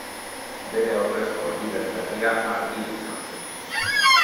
Bere ordezko lider berria Argiro izan zen.